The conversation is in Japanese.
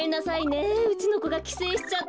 うちのこがきせいしちゃって。